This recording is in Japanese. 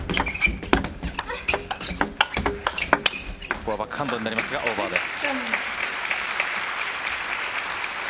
ここはバックハンドになりますがオーバーです。